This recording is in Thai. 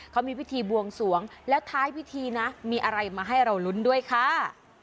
เขามีพิธีบวงสวงแล้วท้ายพิธีนะมีอะไรมาให้เราลุ้นด้วยค่ะ